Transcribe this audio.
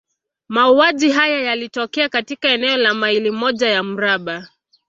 Mauaji haya yalitokea katika eneo la maili moja ya mraba.